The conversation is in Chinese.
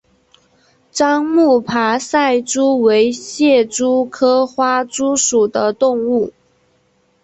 樟木爬赛蛛为蟹蛛科花蛛属的动物。